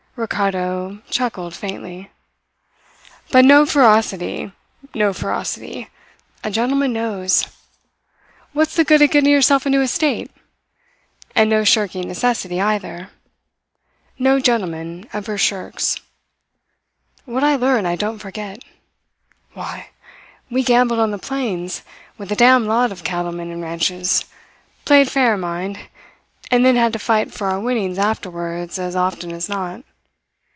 Ricardo chuckled faintly. "But no ferocity no ferocity! A gentleman knows. What's the good of getting yourself into a state? And no shirking necessity, either. No gentleman ever shirks. What I learn I don't forget. Why! We gambled on the plains, with a damn lot of cattlemen in ranches; played fair, mind and then had to fight for our winnings afterwards as often as not.